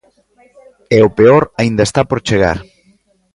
E o peor aínda está por chegar.